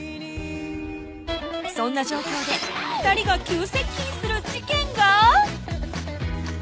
そんな状況で２人が急接近する事件が？